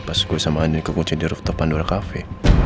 pas gue sama andin kekunci di rooftop pandora cafe